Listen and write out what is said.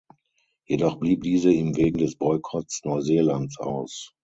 Jedoch blieb diese ihm wegen des Boykotts Neuseelands aus.